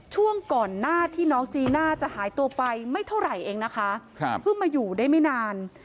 ช่วงก่อนหน้าที่น้องจีน่าจะหายตัวไปไม่เท่าไหร่เองนะคะเพิ่งมาอยู่ได้ไม่นาน